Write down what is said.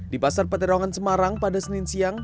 di pasar peterongan semarang pada senin siang